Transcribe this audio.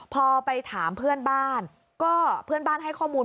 พอไปถามเพื่อนบ้านก็เพื่อนบ้านให้ข้อมูล